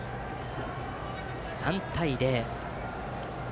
３対０。